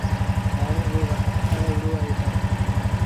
هآڻي اوٚ وکت آئي وهُڙو اهي تا